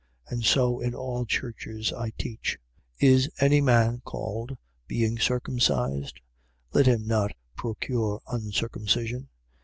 And so in all churches I teach. 7:18. Is any man called, being circumcised? Let him not procure uncircumcision.